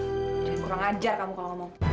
kurang ajar kamu kalau ngomong